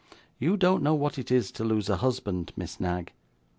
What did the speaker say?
You don't know what it is to lose a husband, Miss Knag.